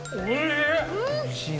おいしい。